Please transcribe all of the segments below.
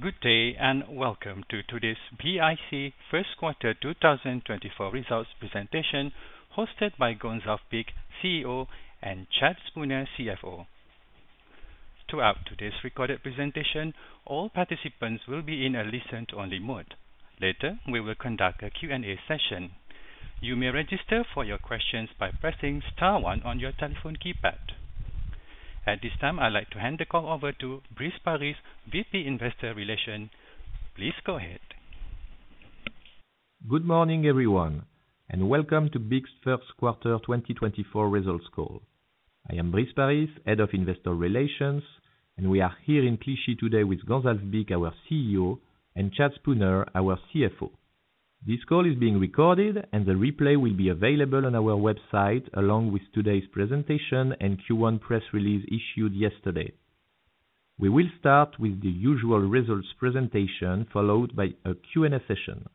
Good day, and welcome to today's BIC First Quarter 2024 Results Presentation, hosted by Gonzalve Bich, CEO, and Chad Spooner, CFO. Throughout today's recorded presentation, all participants will be in a listen-only mode. Later, we will conduct a Q&A session. You may register for your questions by pressing star one on your telephone keypad. At this time, I'd like to hand the call over to Brice Paris, VP Investor Relations. Please go ahead. Good morning, everyone, and welcome to BIC's First Quarter 2024 Results Call. I am Brice Paris, Head of Investor Relations, and we are here in Clichy today with Gonzalve Bich, our CEO, and Chad Spooner, our CFO. This call is being recorded, and the replay will be available on our website, along with today's presentation and Q1 press release issued yesterday. We will start with the usual results presentation, followed by a Q&A session.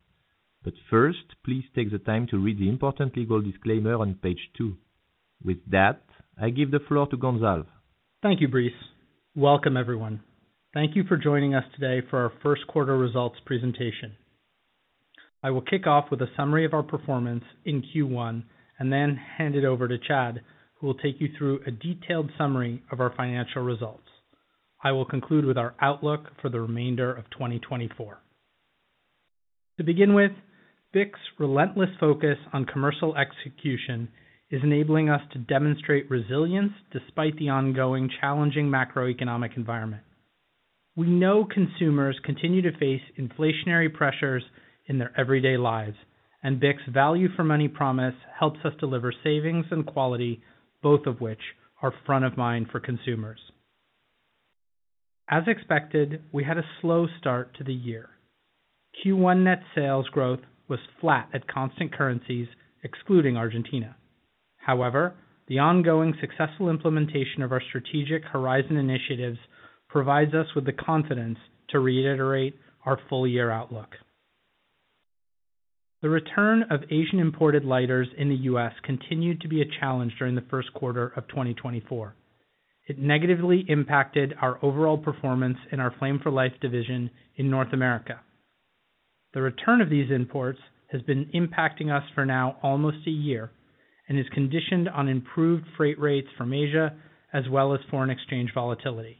But first, please take the time to read the important legal disclaimer on page two. With that, I give the floor to Gonzalve. Thank you, Brice. Welcome, everyone. Thank you for joining us today for our first quarter results presentation. I will kick off with a summary of our performance in Q1 and then hand it over to Chad, who will take you through a detailed summary of our financial results. I will conclude with our outlook for the remainder of 2024. To begin with, BIC's relentless focus on commercial execution is enabling us to demonstrate resilience despite the ongoing challenging macroeconomic environment. We know consumers continue to face inflationary pressures in their everyday lives, and BIC's value for money promise helps us deliver savings and quality, both of which are front of mind for consumers. As expected, we had a slow start to the year. Q1 net sales growth was flat at constant currencies, excluding Argentina. However, the ongoing successful implementation of our strategic Horizon initiatives provides us with the confidence to reiterate our full-year outlook. The return of Asian-imported lighters in the U.S. continued to be a challenge during the first quarter of 2024. It negatively impacted our overall performance in our Flame for Life division in North America. The return of these imports has been impacting us for now almost a year and is conditioned on improved freight rates from Asia, as well as foreign exchange volatility.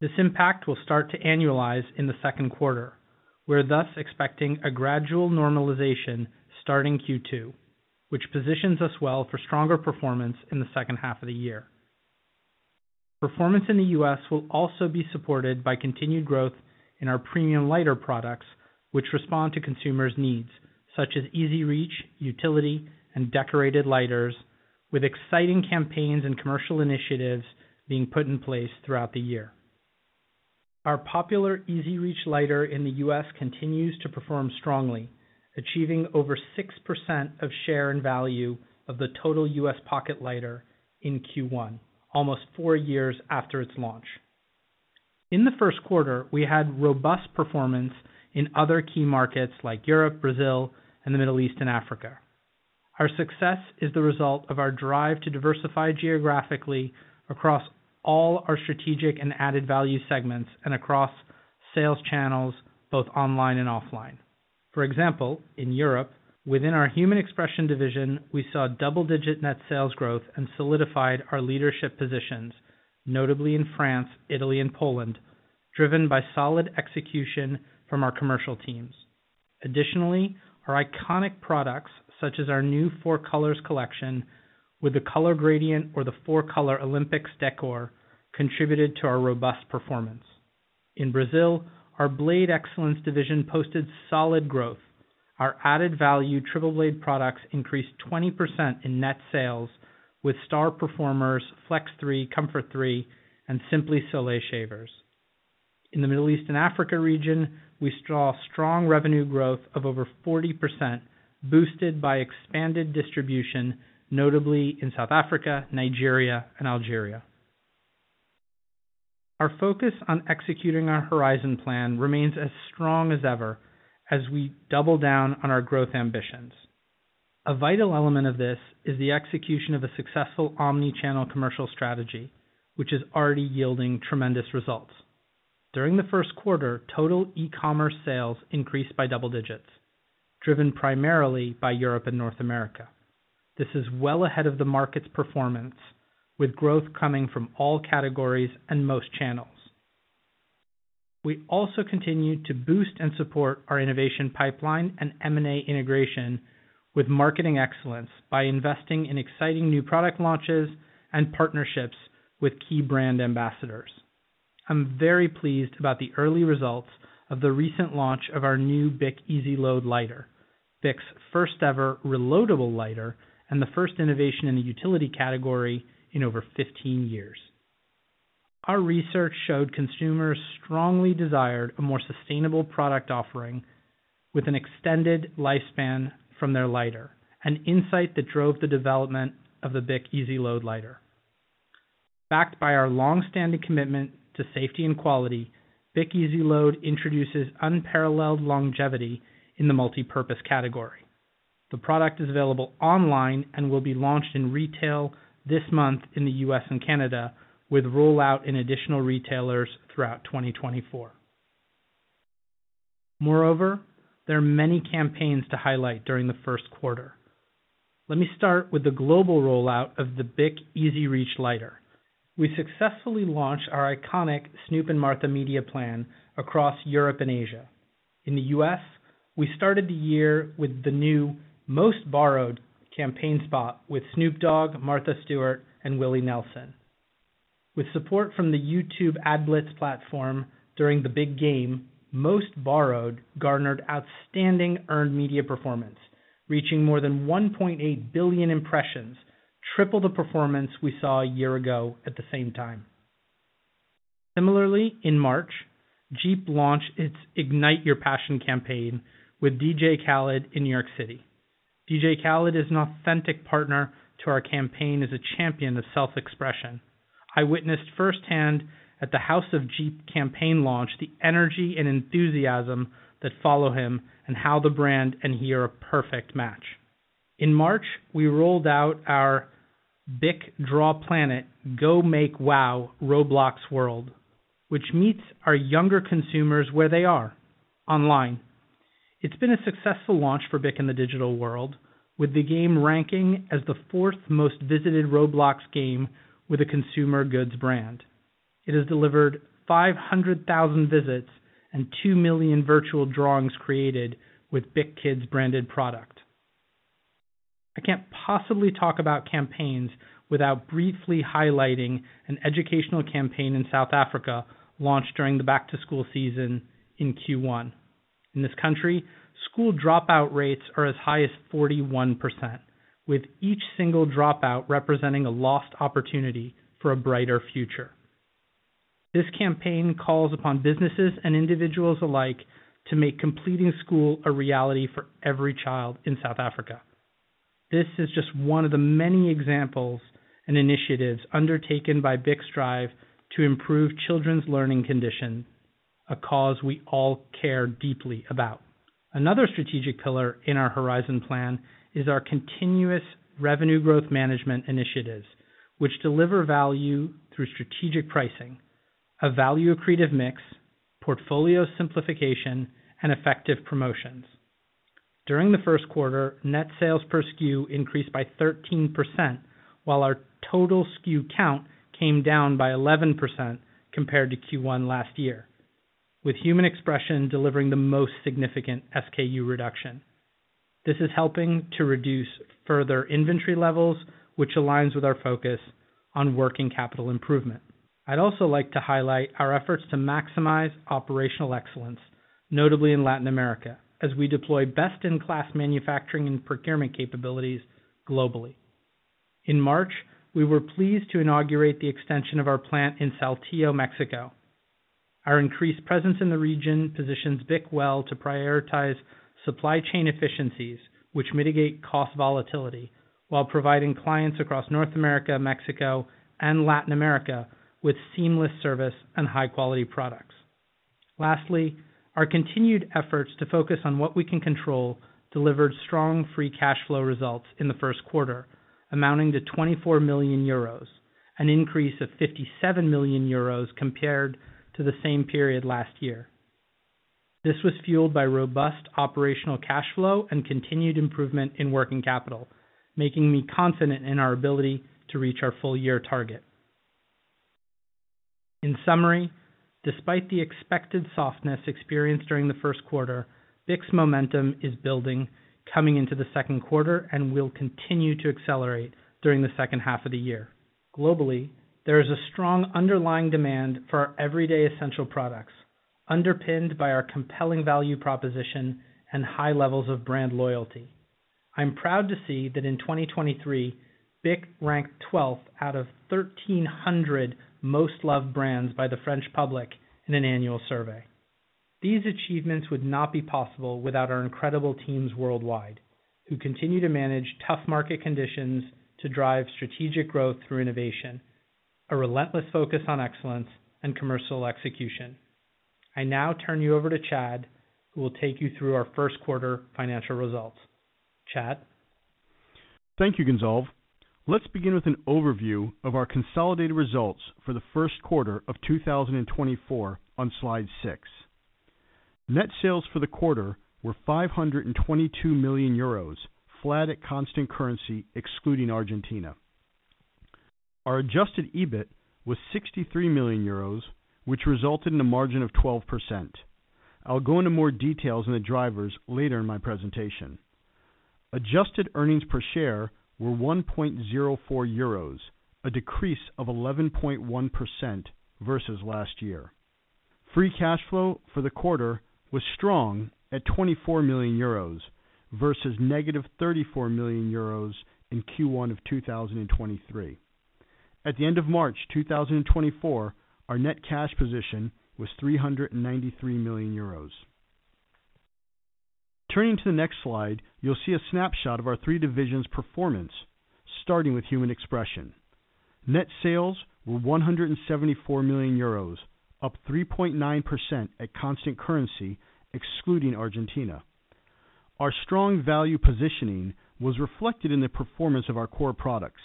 This impact will start to annualize in the second quarter. We're thus expecting a gradual normalization starting Q2, which positions us well for stronger performance in the second half of the year. Performance in the U.S. will also be supported by continued growth in our premium lighter products, which respond to consumers' needs, such as EZ Reach, utility, and decorated lighters, with exciting campaigns and commercial initiatives being put in place throughout the year. Our popular EZ Reach lighter in the U.S. continues to perform strongly, achieving over 6% of share and value of the total U.S. pocket lighter in Q1, almost four years after its launch. In the first quarter, we had robust performance in other key markets like Europe, Brazil, and the Middle East and Africa. Our success is the result of our drive to diversify geographically across all our strategic and added value segments and across sales channels, both online and offline. For example, in Europe, within our Human Expression division, we saw double-digit net sales growth and solidified our leadership positions, notably in France, Italy, and Poland, driven by solid execution from our commercial teams. Additionally, our iconic products, such as our new 4-Colors collection, with the color gradient or the 4-Color Olympics decor, contributed to our robust performance. In Brazil, our Blade Excellence division posted solid growth. Our added value triple blade products increased 20% in net sales, with star performers Flex 3, Comfort 3, and Simply Soleil shavers. In the Middle East and Africa region, we saw strong revenue growth of over 40%, boosted by expanded distribution, notably in South Africa, Nigeria, and Algeria. Our focus on executing our Horizon plan remains as strong as ever as we double down on our growth ambitions. A vital element of this is the execution of a successful omni-channel commercial strategy, which is already yielding tremendous results. During the first quarter, total e-commerce sales increased by double digits, driven primarily by Europe and North America. This is well ahead of the market's performance, with growth coming from all categories and most channels. We also continued to boost and support our innovation pipeline and M&A integration with marketing excellence by investing in exciting new product launches and partnerships with key brand ambassadors. I'm very pleased about the early results of the recent launch of our new BIC EZ Load lighter, BIC's first ever reloadable lighter, and the first innovation in the utility category in over 15 years. Our research showed consumers strongly desired a more sustainable product offering with an extended lifespan from their lighter, an insight that drove the development of the BIC EZ Load lighter. Backed by our long-standing commitment to safety and quality, BIC EZ Load introduces unparalleled longevity in the multipurpose category. The product is available online and will be launched in retail this month in the U.S. and Canada, with rollout in additional retailers throughout 2024. Moreover, there are many campaigns to highlight during the first quarter. Let me start with the global rollout of the BIC EZ Reach lighter. We successfully launched our iconic Snoop Dogg and Martha Stewart media plan across Europe and Asia. In the U.S., we started the year with the new Most Borrowed campaign spot with Snoop Dogg, Martha Stewart, and Willie Nelson. With support from the YouTube AdBlitz platform during the big game, Most Borrowed garnered outstanding earned media performance, reaching more than 1.8 billion impressions, triple the performance we saw a year ago at the same time. Similarly, in March, DJEEP launched its Ignite Your Passion campaign with DJ Khaled in New York City. DJ Khaled is an authentic partner to our campaign as a champion of self-expression. I witnessed firsthand at the House of DJEEP campaign launch, the energy and enthusiasm that follow him and how the brand and he are a perfect match. In March, we rolled out our BIC DrawPlanet Go Make Wow Roblox World, which meets our younger consumers where they are, online. It's been a successful launch for BIC in the digital world, with the game ranking as the fourth most visited Roblox game with a consumer goods brand. It has delivered 500,000 visits and two million virtual drawings created with BIC Kids branded product. I can't possibly talk about campaigns without briefly highlighting an educational campaign in South Africa, launched during the back-to-school season in Q1. In this country, school dropout rates are as high as 41%, with each single dropout representing a lost opportunity for a brighter future. This campaign calls upon businesses and individuals alike to make completing school a reality for every child in South Africa. This is just one of the many examples and initiatives undertaken by BIC's drive to improve children's learning condition, a cause we all care deeply about. Another strategic pillar in our Horizon Plan is our continuous revenue growth management initiatives, which deliver value through strategic pricing, a value-accretive mix, portfolio simplification, and effective promotions. During the first quarter, net sales per SKU increased by 13%, while our total SKU count came down by 11% compared to Q1 last year, with Human Expression delivering the most significant SKU reduction. This is helping to reduce further inventory levels, which aligns with our focus on working capital improvement. I'd also like to highlight our efforts to maximize operational excellence, notably in Latin America, as we deploy best-in-class manufacturing and procurement capabilities globally. In March, we were pleased to inaugurate the extension of our plant in Saltillo, Mexico. Our increased presence in the region positions BIC well to prioritize supply chain efficiencies, which mitigate cost volatility while providing clients across North America, Mexico, and Latin America with seamless service and high-quality products. Lastly, our continued efforts to focus on what we can control delivered strong free cash flow results in the first quarter, amounting to 24 million euros, an increase of 57 million euros compared to the same period last year. This was fueled by robust operational cash flow and continued improvement in working capital, making me confident in our ability to reach our full-year target. In summary, despite the expected softness experienced during the first quarter, BIC's momentum is building, coming into the second quarter, and will continue to accelerate during the second half of the year. Globally, there is a strong underlying demand for our everyday essential products, underpinned by our compelling value proposition and high levels of brand loyalty. I'm proud to see that in 2023, BIC ranked twelfth out of 1,300 most loved brands by the French public in an annual survey. These achievements would not be possible without our incredible teams worldwide, who continue to manage tough market conditions to drive strategic growth through innovation, a relentless focus on excellence, and commercial execution. I now turn you over to Chad, who will take you through our first quarter financial results. Chad? Thank you, Gonzalve. Let's begin with an overview of our consolidated results for the first quarter of 2024 on slide six. Net sales for the quarter were 522 million euros, flat at constant currency, excluding Argentina. Our adjusted EBIT was 63 million euros, which resulted in a margin of 12%. I'll go into more details on the drivers later in my presentation. Adjusted earnings per share were 1.04 euros, a decrease of 11.1% versus last year. Free cash flow for the quarter was strong at 24 million euros versus -34 million euros in Q1 of 2023. At the end of March 2024, our net cash position was 393 million euros. Turning to the next slide, you'll see a snapshot of our three divisions' performance, starting with Human Expression. Net sales were 174 million euros, up 3.9% at constant currency, excluding Argentina. Our strong value positioning was reflected in the performance of our core products,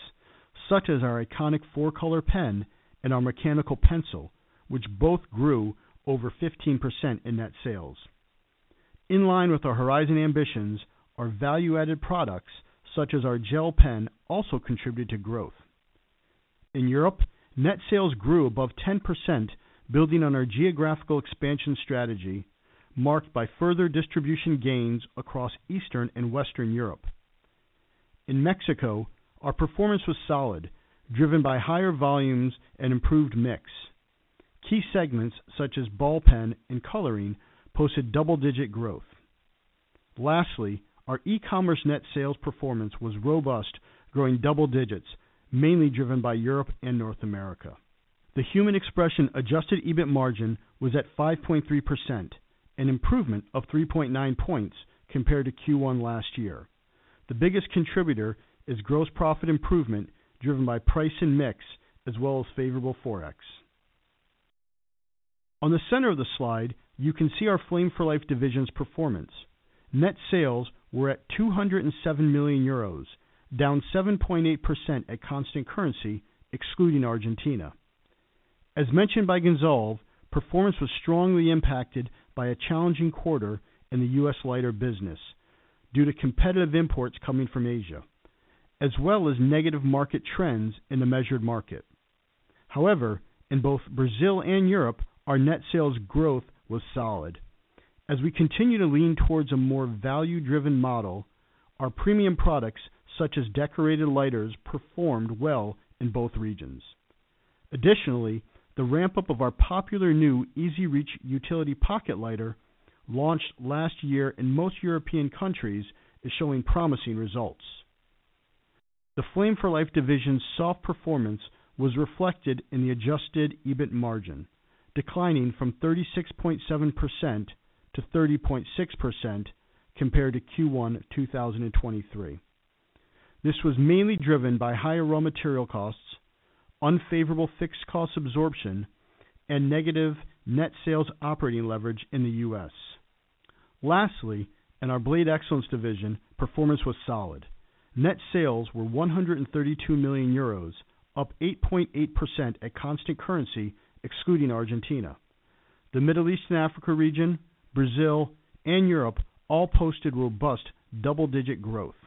such as our iconic 4-Color pen and our mechanical pencil, which both grew over 15% in net sales. In line with our horizon ambitions, our value-added products, such as our gel pen, also contributed to growth. In Europe, net sales grew above 10%, building on our geographical expansion strategy, marked by further distribution gains across Eastern and Western Europe. In Mexico, our performance was solid, driven by higher volumes and improved mix. Key segments such as ballpen and coloring posted double-digit growth. Lastly, our e-commerce net sales performance was robust, growing double digits, mainly driven by Europe and North America. The Human Expression adjusted EBIT margin was at 5.3%, an improvement of 3.9 points compared to Q1 last year. The biggest contributor is gross profit improvement, driven by price and mix, as well as favorable Forex. On the center of the slide, you can see our Flame for Life division's performance. Net sales were at 207 million euros, down 7.8% at constant currency, excluding Argentina. As mentioned by Gonzalve, performance was strongly impacted by a challenging quarter in the U.S. lighter business due to competitive imports coming from Asia, as well as negative market trends in the measured market. However, in both Brazil and Europe, our net sales growth was solid. As we continue to lean towards a more value-driven model, our premium products, such as decorated lighters, performed well in both regions. Additionally, the ramp-up of our popular new EZ Reach Utility Pocket Lighter, launched last year in most European countries, is showing promising results. The Flame for Life division's soft performance was reflected in the Adjusted EBIT margin, declining from 36.7%-30.6% compared to Q1 2023. This was mainly driven by higher raw material costs, unfavorable fixed cost absorption, and negative net sales operating leverage in the U.S. Lastly, in our Blade Excellence division, performance was solid. Net sales were 132 million euros, up 8.8% at constant currency, excluding Argentina. The Middle East and Africa region, Brazil and Europe all posted robust double-digit growth.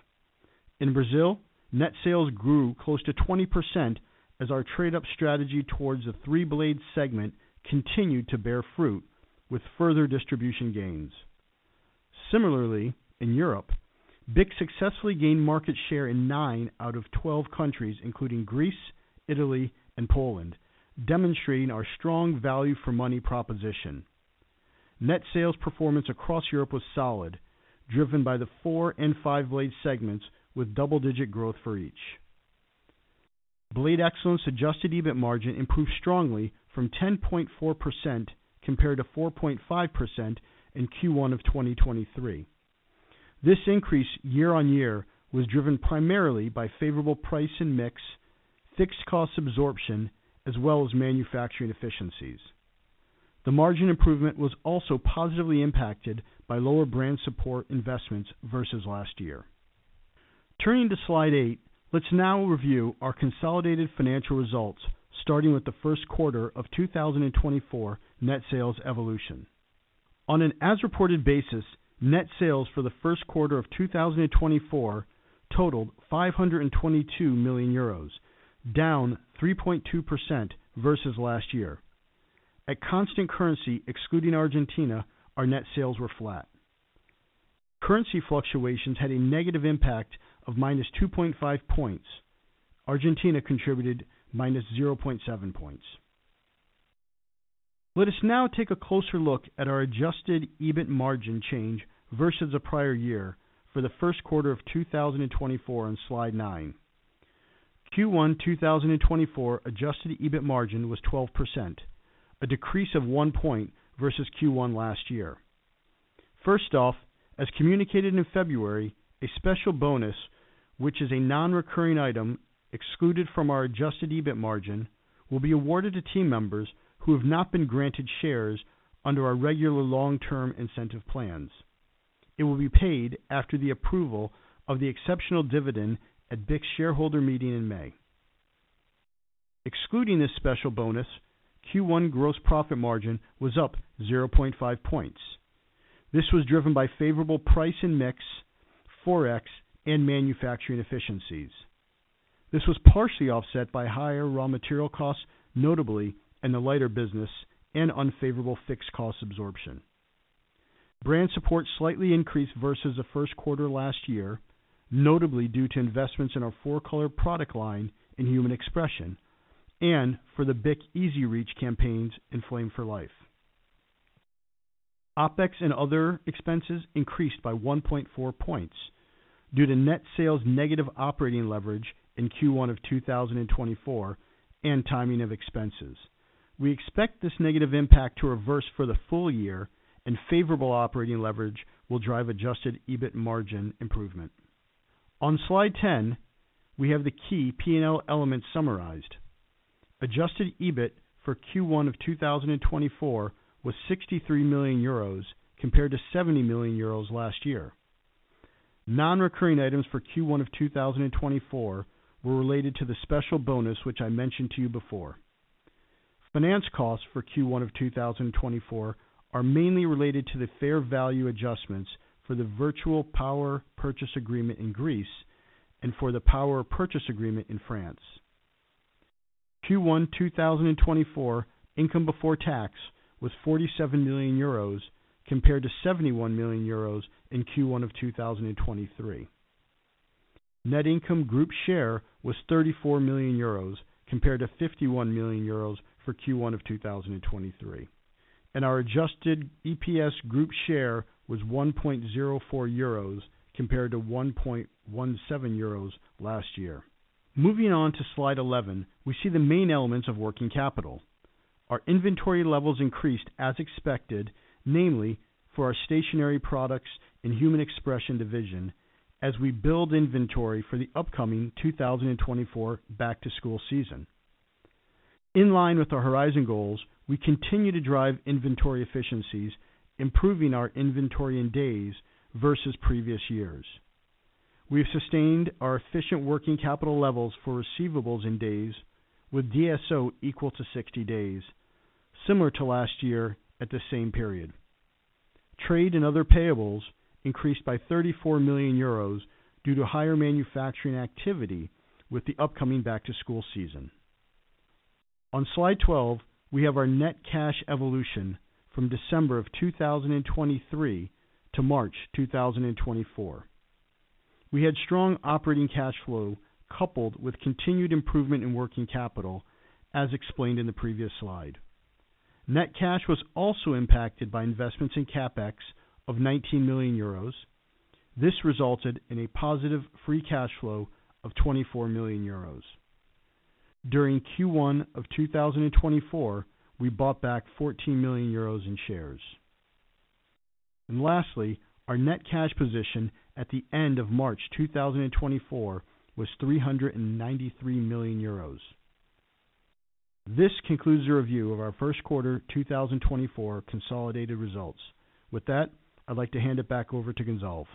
In Brazil, net sales grew close to 20% as our trade-up strategy towards the three-blade segment continued to bear fruit with further distribution gains. Similarly, in Europe, BIC successfully gained market share in nine out of 12 countries, including Greece, Italy, and Poland, demonstrating our strong value for money proposition. Net sales performance across Europe was solid, driven by the four- and five-blade segments, with double-digit growth for each. Blade Excellence adjusted EBIT margin improved strongly from 10.4% compared to 4.5% in Q1 of 2023. This increase year-on-year was driven primarily by favorable price and mix, fixed cost absorption, as well as manufacturing efficiencies. The margin improvement was also positively impacted by lower brand support investments versus last year. Turning to Slide eight, let's now review our consolidated financial results, starting with the first quarter of 2024 net sales evolution. On an as-reported basis, net sales for the first quarter of 2024 totaled 522 million euros, down 3.2% versus last year. At constant currency, excluding Argentina, our net sales were flat. Currency fluctuations had a negative impact of -2.5 points. Argentina contributed -0.7 points. Let us now take a closer look at our Adjusted EBIT margin change versus the prior year for the first quarter of 2024 on Slide nine. Q1 2024 Adjusted EBIT margin was 12%, a decrease of one point versus Q1 last year. First off, as communicated in February, a special bonus, which is a non-recurring item excluded from our Adjusted EBIT margin, will be awarded to team members who have not been granted shares under our regular long-term incentive plans. It will be paid after the approval of the exceptional dividend at BIC's shareholder meeting in May. Excluding this special bonus, Q1 gross profit margin was up 0.5 points. This was driven by favorable price and mix, Forex, and manufacturing efficiencies. This was partially offset by higher raw material costs, notably in the lighter business and unfavorable fixed cost absorption. Brand support slightly increased versus the first quarter last year, notably due to investments in our 4-Color product line in Human Expression and for the BIC EZ Reach campaigns in Flame for Life. OpEx and other expenses increased by 1.4 points due to net sales negative operating leverage in Q1 of 2024 and timing of expenses. We expect this negative impact to reverse for the full year, and favorable operating leverage will drive adjusted EBIT margin improvement. On slide 10, we have the key P&L elements summarized. Adjusted EBIT for Q1 of 2024 was 63 million euros, compared to 70 million euros last year. Non-recurring items for Q1 of 2024 were related to the special bonus, which I mentioned to you before. Finance costs for Q1 of 2024 are mainly related to the fair value adjustments for the virtual power purchase agreement in Greece and for the power purchase agreement in France. Q1 2024 income before tax was 47 million euros, compared to 71 million euros in Q1 of 2023. Net income group share was 34 million euros, compared to 51 million euros for Q1 of 2023, and our adjusted EPS group share was 1.04 euros, compared to 1.17 euros last year. Moving on to Slide 11, we see the main elements of working capital. Our inventory levels increased as expected, namely for our stationery products and Human Expression division, as we build inventory for the upcoming 2024 back-to-school season. In line with our Horizon goals, we continue to drive inventory efficiencies, improving our inventory in days versus previous years. We have sustained our efficient working capital levels for receivables in days with DSO equal to 60 days, similar to last year at the same period. Trade and other payables increased by 34 million euros due to higher manufacturing activity with the upcoming back-to-school season. On Slide 12, we have our net cash evolution from December of 2023 to March 2024. We had strong operating cash flow, coupled with continued improvement in working capital, as explained in the previous slide. Net cash was also impacted by investments in CapEx of 19 million euros. This resulted in a positive free cash flow of 24 million euros. During Q1 of 2024, we bought back 14 million euros in shares. And lastly, our net cash position at the end of March 2024 was 393 million euros. This concludes the review of our first quarter 2024 consolidated results. With that, I'd like to hand it back over to Gonzalve.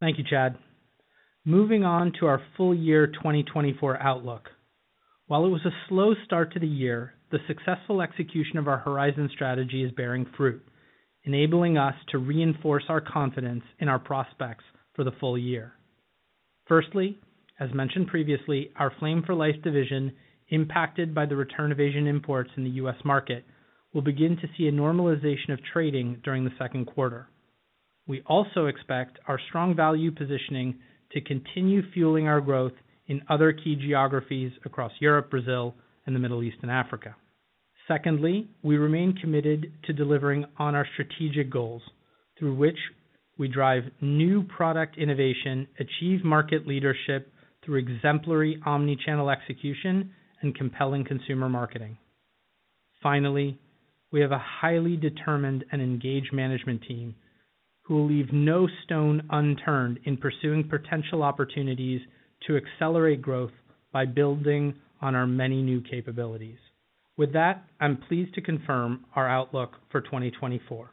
Thank you, Chad. Moving on to our full year 2024 outlook. While it was a slow start to the year, the successful execution of our Horizon strategy is bearing fruit, enabling us to reinforce our confidence in our prospects for the full year. Firstly, as mentioned previously, our Flame for Life division, impacted by the return of Asian imports in the U.S. market, will begin to see a normalization of trading during the second quarter. We also expect our strong value positioning to continue fueling our growth in other key geographies across Europe, Brazil, and the Middle East and Africa. Secondly, we remain committed to delivering on our strategic goals, through which we drive new product innovation, achieve market leadership through exemplary omni-channel execution and compelling consumer marketing. Finally, we have a highly determined and engaged management team who will leave no stone unturned in pursuing potential opportunities to accelerate growth by building on our many new capabilities. With that, I'm pleased to confirm our outlook for 2024.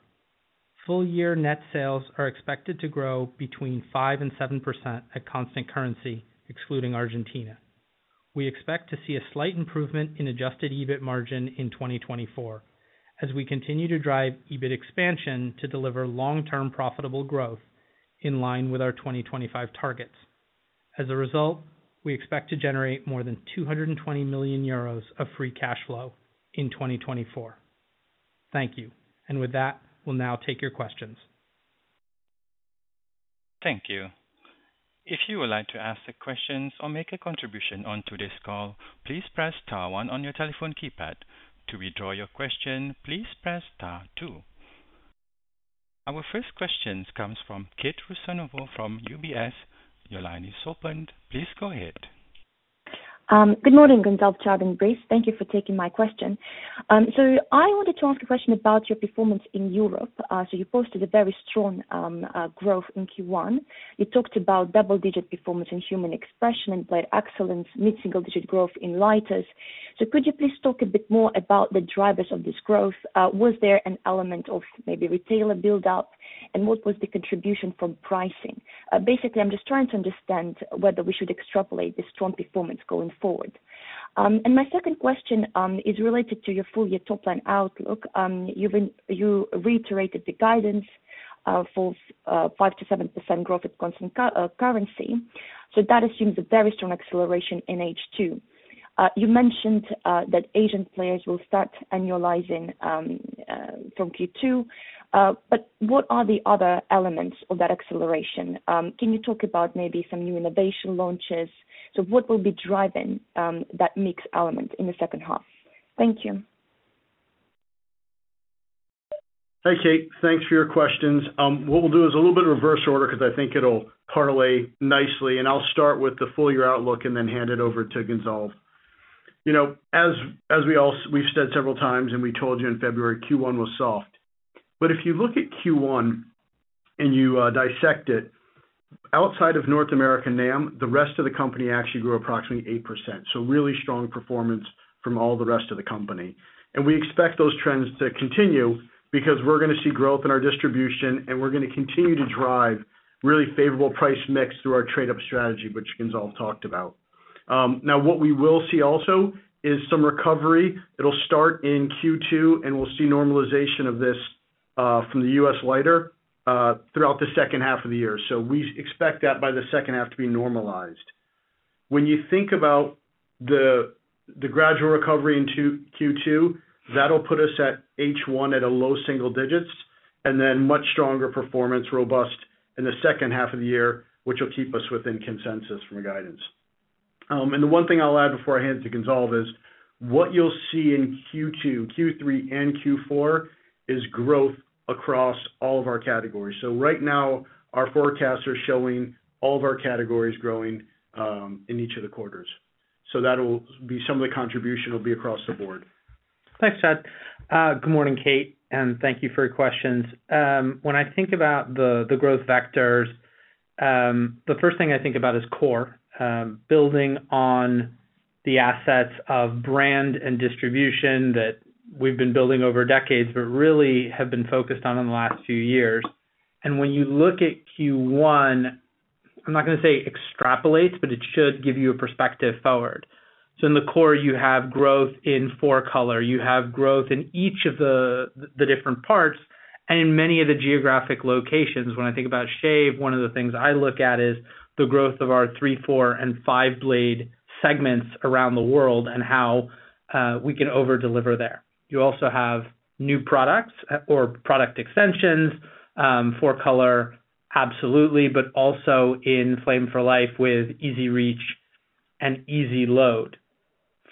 Full year net sales are expected to grow between 5% and 7% at constant currency, excluding Argentina. We expect to see a slight improvement in Adjusted EBIT margin in 2024 as we continue to drive EBIT expansion to deliver long-term profitable growth in line with our 2025 targets. As a result, we expect to generate more than 220 million euros of Free Cash Flow in 2024. Thank you. And with that, we'll now take your questions. Thank you. If you would like to ask a question or make a contribution on today's call, please press star one on your telephone keypad. To withdraw your question, please press star two. Our first question comes from Kate Rusanova from UBS. Your line is open. Please go ahead. Good morning, Gonzalve, Chad, and Brice. Thank you for taking my question. So I wanted to ask a question about your performance in Europe. So you posted a very strong growth in Q1. You talked about double-digit performance in Human Expression and quite excellent mid-single digit growth in lighters. So could you please talk a bit more about the drivers of this growth? Was there an element of maybe retailer build-out? And what was the contribution from pricing? Basically, I'm just trying to understand whether we should extrapolate this strong performance going forward. And my second question is related to your full year top-line outlook. You've been-- you reiterated the guidance for 5%-7% growth at constant currency. So that assumes a very strong acceleration in H2. You mentioned that Asian players will start annualizing from Q2, but what are the other elements of that acceleration? Can you talk about maybe some new innovation launches? So what will be driving that mix element in the second half? Thank you.... Hi, Kate. Thanks for your questions. What we'll do is a little bit of reverse order, because I think it'll parlay nicely, and I'll start with the full year outlook and then hand it over to Gonzalve. You know, as we all have said several times, and we told you in February, Q1 was soft. But if you look at Q1 and you dissect it, outside of North America, NAM, the rest of the company actually grew approximately 8%. So really strong performance from all the rest of the company. And we expect those trends to continue, because we're gonna see growth in our distribution, and we're gonna continue to drive really favorable price mix through our trade-up strategy, which Gonzalve talked about. Now, what we will see also is some recovery. It'll start in Q2, and we'll see normalization of this from the U.S. lighter throughout the second half of the year. So we expect that by the second half to be normalized. When you think about the gradual recovery in Q2, that'll put us at H1 at a low single digits, and then much stronger performance, robust in the second half of the year, which will keep us within consensus from a guidance. And the one thing I'll add before I hand it to Gonzalve is, what you'll see in Q2, Q3, and Q4 is growth across all of our categories. So right now, our forecasts are showing all of our categories growing in each of the quarters. So that'll be some of the contribution will be across the board. Thanks, Chad. Good morning, Kate, and thank you for your questions. When I think about the growth vectors, the first thing I think about is core, building on the assets of brand and distribution that we've been building over decades, but really have been focused on in the last few years. And when you look at Q1, I'm not gonna say extrapolates, but it should give you a perspective forward. So in the core, you have growth in 4-Color. You have growth in each of the different parts and in many of the geographic locations. When I think about shave, one of the things I look at is the growth of our three-, four-, and five-blade segments around the world and how we can overdeliver there. You also have new products or product extensions for color, absolutely, but also in Flame for Life with EZ Reach and EZ Load.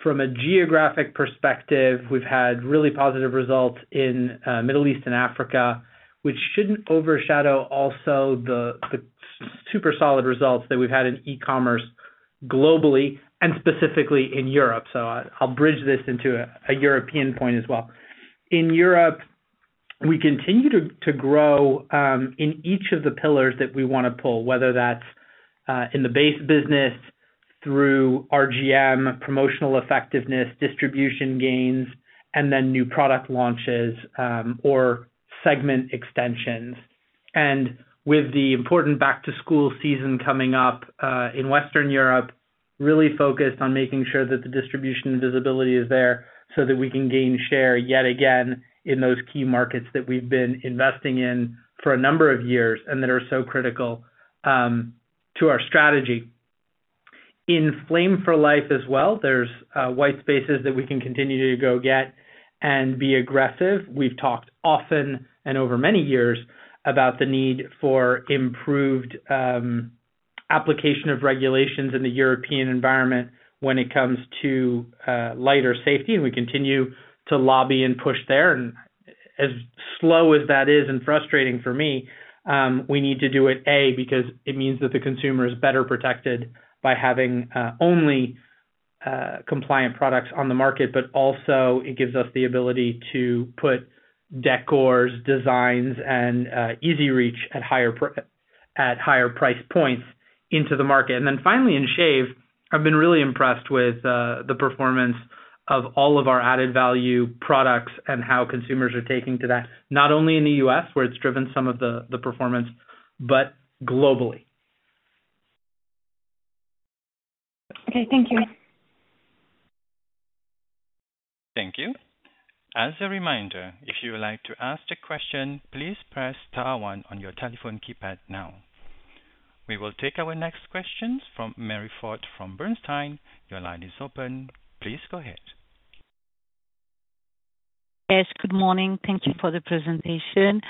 From a geographic perspective, we've had really positive results in Middle East and Africa, which shouldn't overshadow also the super solid results that we've had in e-commerce globally and specifically in Europe. So I'll bridge this into a European point as well. In Europe, we continue to grow in each of the pillars that we wanna pull, whether that's in the base business through RGM, promotional effectiveness, distribution gains, and then new product launches, or segment extensions. With the important back-to-school season coming up in Western Europe, really focused on making sure that the distribution and visibility is there so that we can gain share yet again in those key markets that we've been investing in for a number of years and that are so critical to our strategy. In Flame for Life as well, there's white spaces that we can continue to go get and be aggressive. We've talked often and over many years about the need for improved application of regulations in the European environment when it comes to lighter safety, and we continue to lobby and push there. As slow as that is and frustrating for me, we need to do it, A, because it means that the consumer is better protected by having only compliant products on the market. But also it gives us the ability to put decors, designs and EZ Reach at higher price points into the market. And then finally, in shave, I've been really impressed with the performance of all of our added value products and how consumers are taking to that, not only in the U.S., where it's driven some of the performance, but globally. Okay, thank you. Thank you. As a reminder, if you would like to ask a question, please press star one on your telephone keypad now. We will take our next questions from Marie Fort from Bernstein. Your line is open. Please go ahead. Yes, good morning. Thank you for the presentation.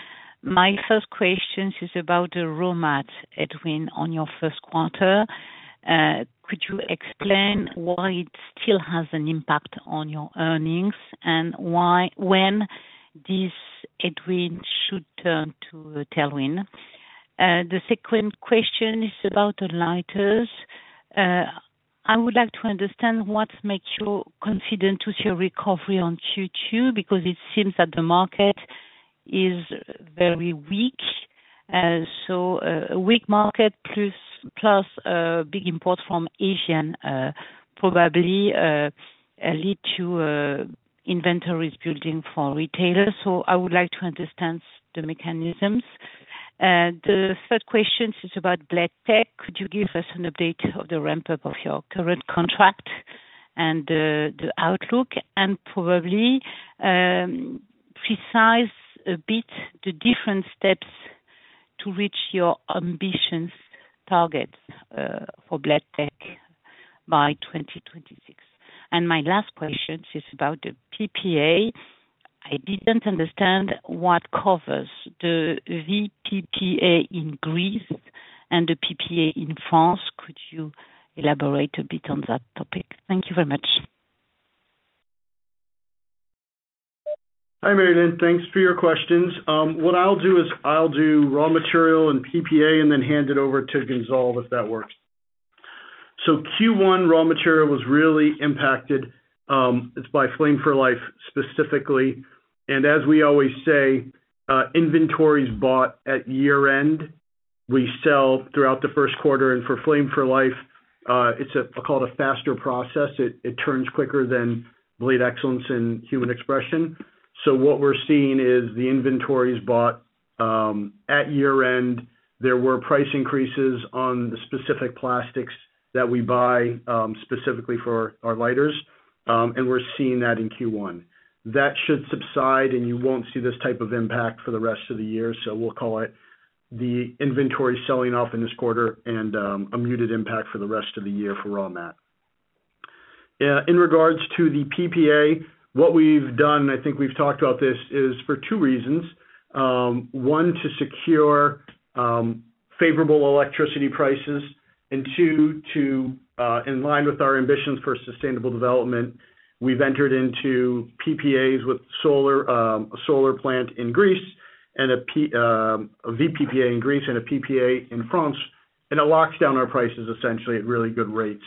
My first question is about the raw material inflation in your first quarter. Could you explain why it still has an impact on your earnings and why, when this headwind should turn to a tailwind? The second question is about the lighters. I would like to understand what makes you confident with your recovery on Q2, because it seems that the market is very weak. So, a weak market plus big imports from Asia probably lead to inventories building for retailers. So I would like to understand the mechanisms. The third question is about Blade Tech. Could you give us an update of the ramp-up of your current contract and the outlook, and probably, precise a bit, the different steps to reach your ambitions targets, for Blade Tech by 2026? And my last question is about the PPA. I didn't understand what covers the VPPA in Greece and the PPA in France. Could you elaborate a bit on that topic? Thank you very much. Hi, Marie-Line. Thanks for your questions. What I'll do is I'll do raw material and PPA and then hand it over to Gonzalve, if that works. So Q1 raw material was really impacted. It's by Flame for Life, specifically. And as we always say, inventories bought at year-end, we sell throughout the first quarter, and for Flame for Life, it's called a faster process. It turns quicker than Blade Excellence and Human Expression. So what we're seeing is the inventories bought at year-end. There were price increases on the specific plastics that we buy, specifically for our lighters, and we're seeing that in Q1. That should subside, and you won't see this type of impact for the rest of the year, so we'll call it the inventory selling off in this quarter and a muted impact for the rest of the year for raw mat. In regards to the PPA, what we've done, I think we've talked about this, is for two reasons. One, to secure favorable electricity prices, and two, to in line with our ambitions for sustainable development, we've entered into PPAs with solar plant in Greece, and a VPPA in Greece and a PPA in France, and it locks down our prices essentially at really good rates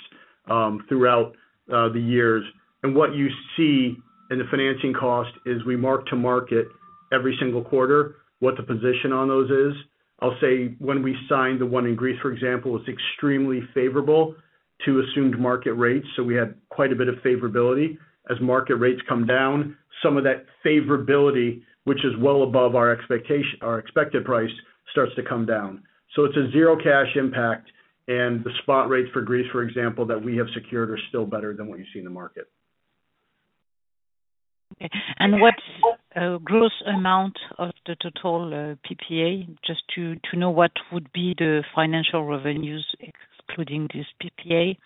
throughout the years. What you see in the financing cost is we mark to market every single quarter what the position on those is. I'll say when we signed the one in Greece, for example, it was extremely favorable to assumed market rates, so we had quite a bit of favorability. As market rates come down, some of that favorability, which is well above our expectation, our expected price, starts to come down. So it's a zero cash impact, and the spot rates for Greece, for example, that we have secured, are still better than what you see in the market. Okay. And what's gross amount of the total PPA? Just to know what would be the financial revenues excluding this PPA.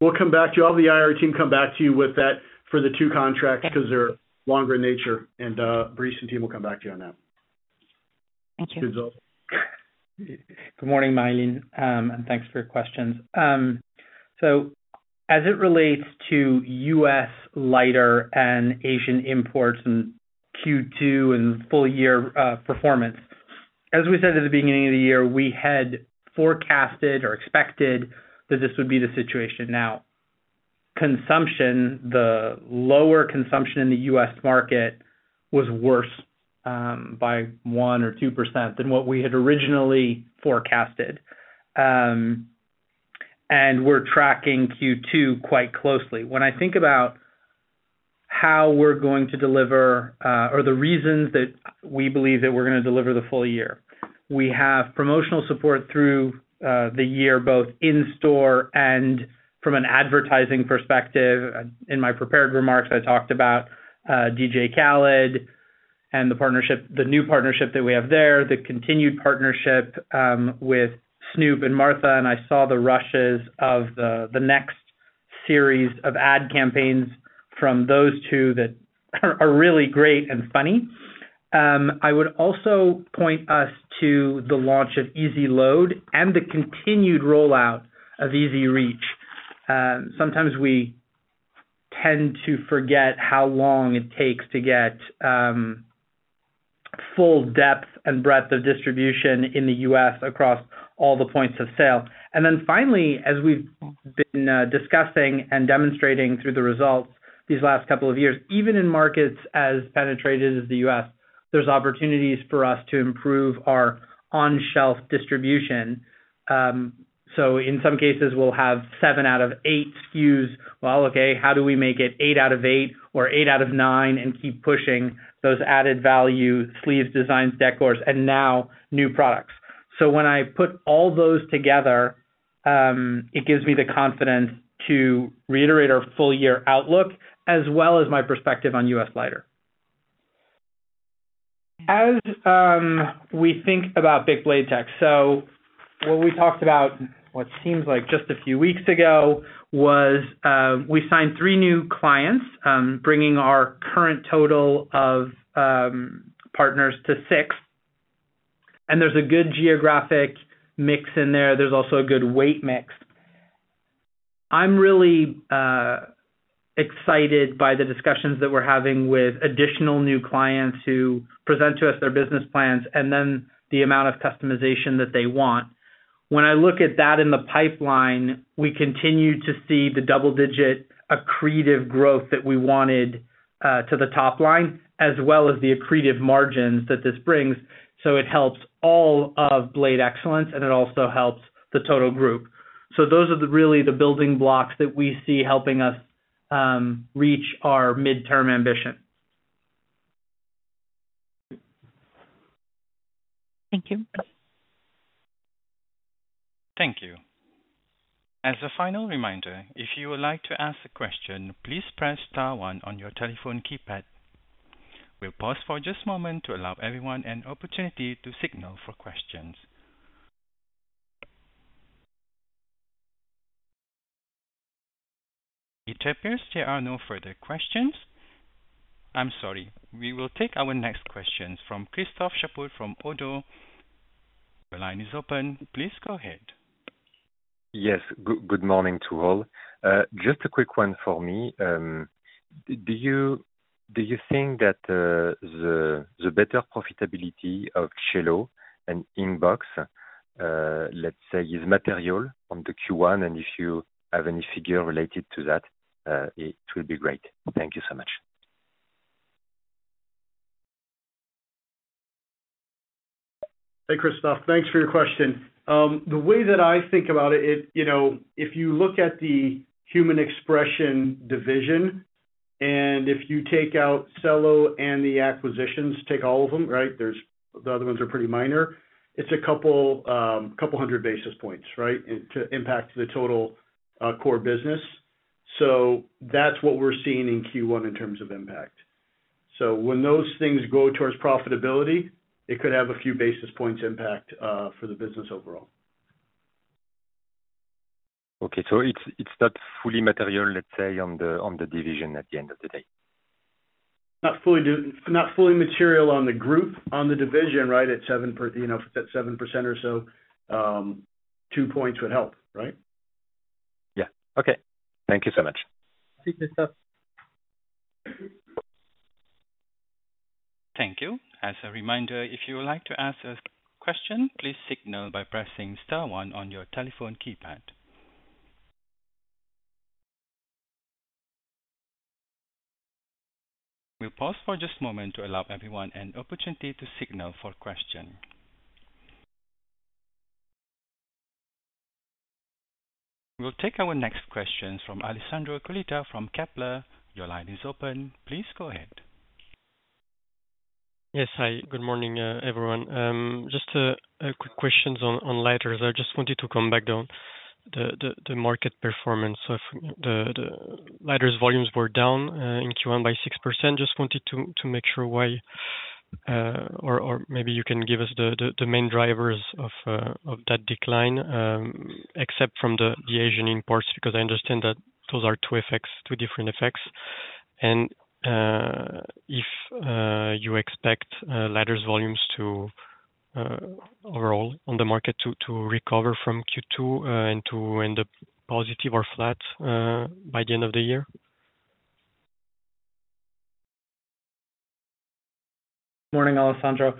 We'll come back to you. I'll have the IR team come back to you with that for the two contracts- Okay. - 'cause they're longer in nature, and, Brice and team will come back to you on that. Thank you. Gonzal? Good morning, Marie-Line, and thanks for your questions. So as it relates to U.S. lighter and Asian imports in Q2 and full year performance, as we said at the beginning of the year, we had forecasted or expected that this would be the situation. Now, consumption, the lower consumption in the U.S. market was worse by 1% or 2% than what we had originally forecasted. And we're tracking Q2 quite closely. When I think about how we're going to deliver, or the reasons that we believe that we're gonna deliver the full year, we have promotional support through the year, both in store and from an advertising perspective. In my prepared remarks, I talked about DJ Khaled and the partnership, the new partnership that we have there, the continued partnership with Snoop and Martha, and I saw the rushes of the next series of ad campaigns from those two that are really great and funny. I would also point us to the launch of EZ Load and the continued rollout of EZ Reach. Sometimes we tend to forget how long it takes to get full depth and breadth of distribution in the U.S. across all the points of sale. Then finally, as we've been discussing and demonstrating through the results these last couple of years, even in markets as penetrated as the U.S., there's opportunities for us to improve our on-shelf distribution. So in some cases, we'll have seven out of eight SKUs. Well, okay, how do we make it eight out of eight or eight out of nine and keep pushing those added value, sleeves, designs, decors, and now new products? So when I put all those together, it gives me the confidence to reiterate our full-year outlook, as well as my perspective on U.S. lighter. As we think about BIC Blade Tech, so what we talked about, what seems like just a few weeks ago, was, we signed three new clients, bringing our current total of partners to six, and there's a good geographic mix in there. There's also a good weight mix. I'm really excited by the discussions that we're having with additional new clients who present to us their business plans and then the amount of customization that they want. When I look at that in the pipeline, we continue to see the double-digit accretive growth that we wanted to the top line, as well as the accretive margins that this brings. So it helps all of Blade Excellence, and it also helps the total group. So those are really the building blocks that we see helping us reach our midterm ambition. Thank you. Thank you. As a final reminder, if you would like to ask a question, please press star one on your telephone keypad. We'll pause for just a moment to allow everyone an opportunity to signal for questions. It appears there are no further questions... I'm sorry. We will take our next questions from Christophe Chaput from ODDO. The line is open, please go ahead. Yes, good morning to all. Just a quick one for me. Do you think that the better profitability of Cello and Inkbox, let's say, is material on the Q1? And if you have any figure related to that, it will be great. Thank you so much. Hey, Christophe, thanks for your question. The way that I think about it, you know, if you look at the Human Expression division, and if you take out Cello and the acquisitions, take all of them, right? The other ones are pretty minor. It's a couple hundred basis points, right? And to impact the total core business. So that's what we're seeing in Q1 in terms of impact. So when those things go towards profitability, it could have a few basis points impact for the business overall. Okay. So it's not fully material, let's say, on the division at the end of the day? Not fully material on the group, on the division, right, at 7%, you know, at 7% or so, two points would help, right? Yeah. Okay. Thank you so much. Thank you, Christophe. Thank you. As a reminder, if you would like to ask a question, please signal by pressing star one on your telephone keypad. We'll pause for just a moment to allow everyone an opportunity to signal for question. We'll take our next questions from Alessandro Cuglietta from Kepler Cheuvreux. Your line is open. Please go ahead. Yes. Hi, good morning, everyone. Just a quick questions on lighters. I just wanted to come back down the market performance of the lighters volumes were down in Q1 by 6%. Just wanted to make sure why, or maybe you can give us the main drivers of that decline, except from the Asian imports, because I understand that those are two effects, two different effects. And if you expect lighters volumes to overall on the market, to recover from Q2, and to end up positive or flat, by the end of the year? Morning, Alessandro.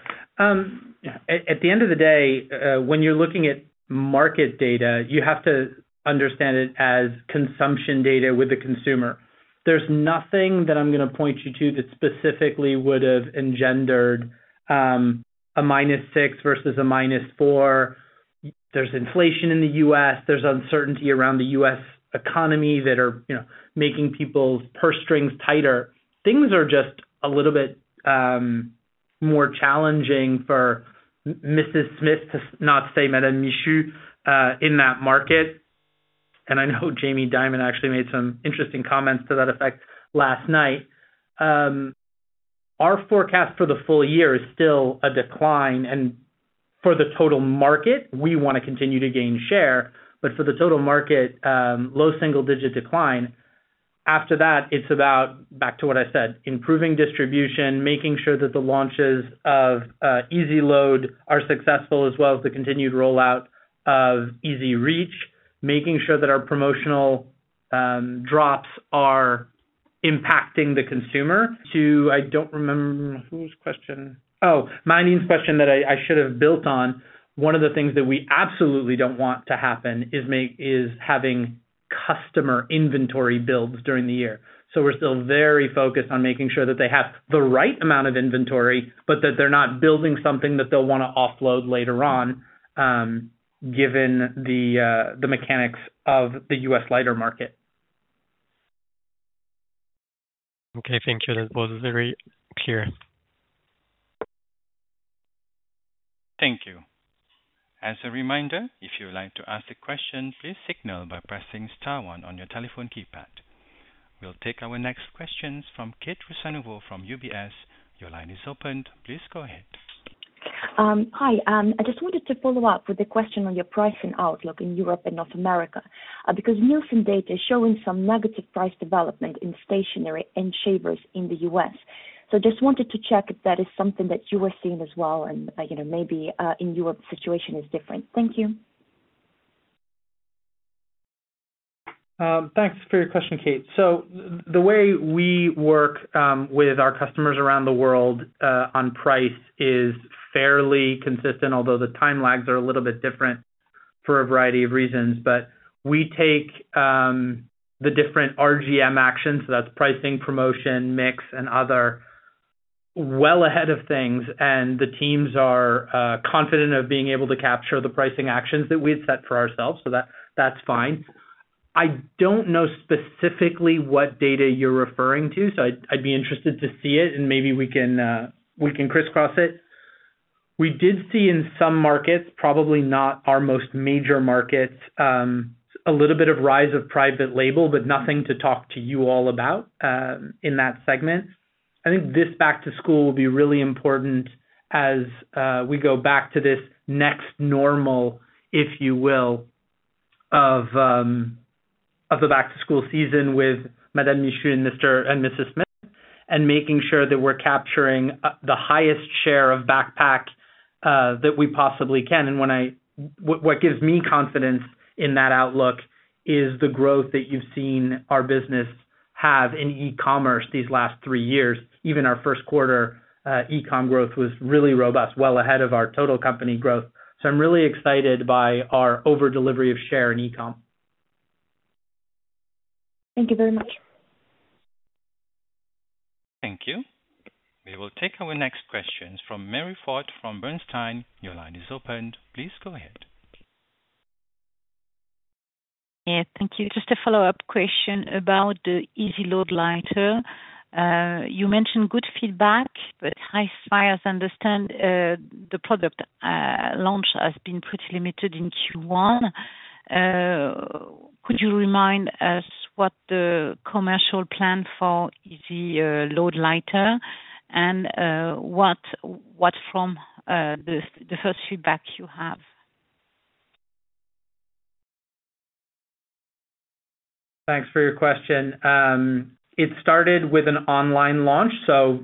At the end of the day, when you're looking at market data, you have to understand it as consumption data with the consumer. There's nothing that I'm gonna point you to that specifically would have engendered a -6 versus a -4. There's inflation in the U.S., there's uncertainty around the U.S. economy that are, you know, making people's purse strings tighter. Things are just a little bit more challenging for Mrs. Smith to not say Madame Michu in that market. And I know Jamie Dimon actually made some interesting comments to that effect last night. Our forecast for the full year is still a decline, and for the total market, we wanna continue to gain share, but for the total market, low single digit decline. After that, it's about, back to what I said, improving distribution, making sure that the launches of EZ Load are successful, as well as the continued rollout of EZ Reach, making sure that our promotional drops are impacting the consumer to... I don't remember whose question? Oh, Marie-Line's question that I should have built on. One of the things that we absolutely don't want to happen is having customer inventory builds during the year. So we're still very focused on making sure that they have the right amount of inventory, but that they're not building something that they'll wanna offload later on, given the mechanics of the U.S. lighter market. Okay, thank you. That was very clear. Thank you. As a reminder, if you would like to ask a question, please signal by pressing star one on your telephone keypad. We'll take our next questions from Kate Rusanova from UBS. Your line is opened. Please go ahead. Hi. I just wanted to follow up with a question on your pricing outlook in Europe and North America, because Nielsen data is showing some negative price development in stationery and shavers in the U.S. So just wanted to check if that is something that you are seeing as well and, you know, maybe in Europe, the situation is different. Thank you. Thanks for your question, Kate. So the way we work with our customers around the world on price is fairly consistent, although the time lags are a little bit different for a variety of reasons. But we take the different RGM actions, so that's pricing, promotion, mix, and other, well ahead of things, and the teams are confident of being able to capture the pricing actions that we've set for ourselves, so that's fine. I don't know specifically what data you're referring to, so I'd be interested to see it and maybe we can crisscross it. We did see in some markets, probably not our most major markets, a little bit of rise of private label, but nothing to talk to you all about in that segment. I think this back to school will be really important as we go back to this next normal, if you will, of the back-to-school season with Madame Michu and Mr. and Mrs. Smith, and making sure that we're capturing the highest share of backpack that we possibly can. What gives me confidence in that outlook is the growth that you've seen our business have in e-commerce these last three years. Even our first quarter, e-com growth was really robust, well ahead of our total company growth. So I'm really excited by our over delivery of share in e-com. Thank you very much. Thank you. We will take our next questions from Marie-Line Fort from Bernstein. Your line is open. Please go ahead. Yeah, thank you. Just a follow-up question about the EZ Load lighter. You mentioned good feedback, but as far as I understand, the product launch has been pretty limited in Q1. Could you remind us what the commercial plan for EZ Load lighter and what from the first feedback you have? Thanks for your question. It started with an online launch, so,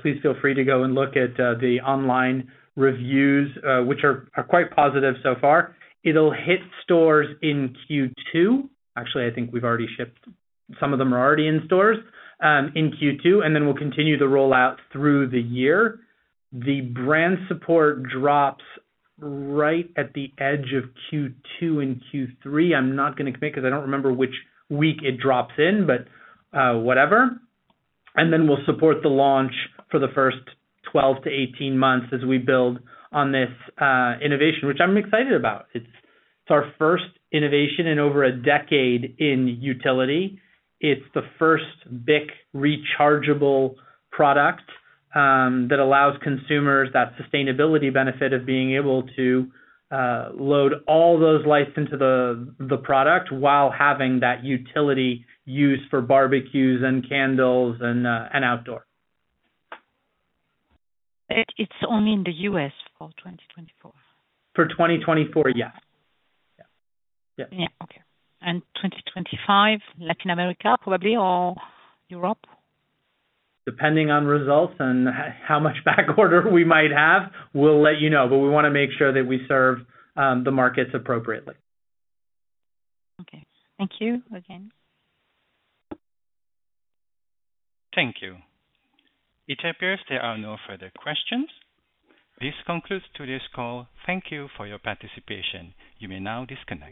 please feel free to go and look at the online reviews, which are quite positive so far. It'll hit stores in Q2. Actually, I think we've already shipped... Some of them are already in stores in Q2, and then we'll continue to roll out through the year. The brand support drops right at the edge of Q2 and Q3. I'm not gonna commit, because I don't remember which week it drops in, but whatever. And then we'll support the launch for the first 12-18 months as we build on this innovation, which I'm excited about. It's our first innovation in over a decade in utility. It's the first BIC rechargeable product that allows consumers that sustainability benefit of being able to load all those lighters into the product while having that utility used for barbecues and candles and outdoor. It's only in the U.S. for 2024? For 2024, yes. Yeah. Yep. Yeah. Okay. And 2025, Latin America, probably, or Europe? Depending on results and how much back order we might have, we'll let you know. But we wanna make sure that we serve the markets appropriately. Okay. Thank you again. Thank you. It appears there are no further questions. This concludes today's call. Thank you for your participation. You may now disconnect.